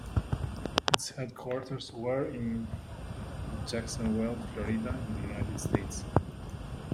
Its headquarters were in Jacksonville, Florida in the United States.